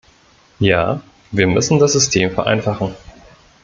Ja, wir müssen das System vereinfachen.